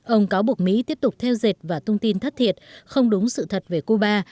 ông cáo buộc mỹ tiếp tục theo dệt và tung tin thất thiệt không đúng sự thật về cuba